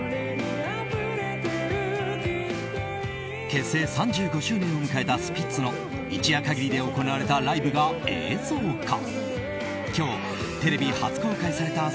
結成３５周年を迎えたスピッツの一夜限りで行われたライブが映像化。